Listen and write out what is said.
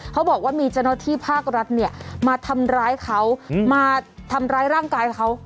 เขาบอกว่ามีเจ้าหน้าที่ภาครัฐเนี่ยมาทำร้ายเขามาทำร้ายร่างกายเขา